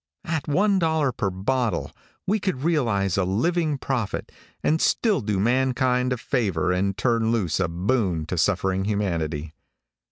At one dollar per bottle, we could realize a living profit, and still do mankind a favor and turn loose a boon to suffering humanity.